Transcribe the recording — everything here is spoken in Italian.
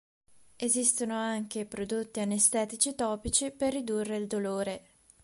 Esistono anche prodotti anestetici topici per ridurre il dolore.